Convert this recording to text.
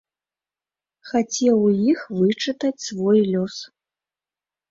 Хацеў у іх вычытаць свой лёс.